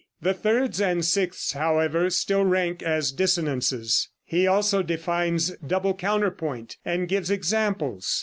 The thirds and sixths, however, still rank as dissonances. He also defines double counterpoint, and gives examples.